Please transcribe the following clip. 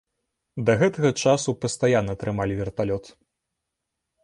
Да гэтага часу пастаянна трымалі верталёт.